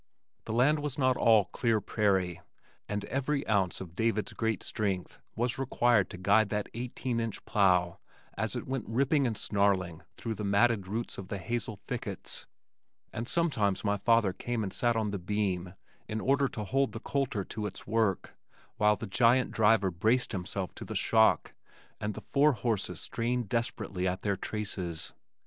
The land was not all clear prairie and every ounce of David's great strength was required to guide that eighteen inch plow as it went ripping and snarling through the matted roots of the hazel thickets, and sometimes my father came and sat on the beam in order to hold the coulter to its work, while the giant driver braced himself to the shock and the four horses strained desperately at their traces.